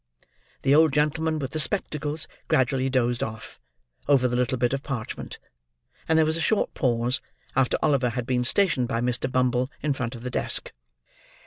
The old gentleman with the spectacles gradually dozed off, over the little bit of parchment; and there was a short pause, after Oliver had been stationed by Mr. Bumble in front of the desk.